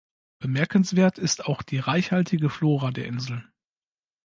Bemerkenswert ist auch die reichhaltige Flora der Insel.